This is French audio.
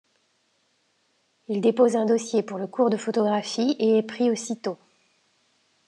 Il dépose un dossier pour le cours de photographie et est pris aussitôt.